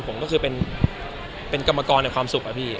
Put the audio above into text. ผมก็คือเป็นกรรมกรในความสุขอะพี่